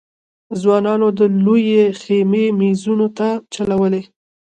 ځوانانو د لويې خېمې مېزونو ته چلول.